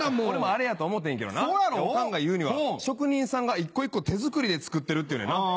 俺もあれやと思うてんけどなオカンが言うには職人さんが一個一個手作りで作ってるって言うねんな。